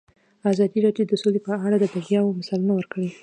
ازادي راډیو د سوله په اړه د بریاوو مثالونه ورکړي.